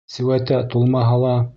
Сеүәтә тулмаһа ла.